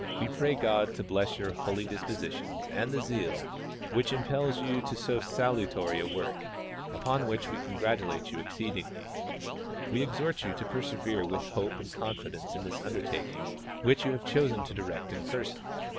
We pray God to bless your holy dispositions and the zeal Avhich impels you to so salutary a work, upon which we congratulate you exceedingly. We exhort you to persevere with hope and confidence in this undertaking, which you have chosen to direct in person.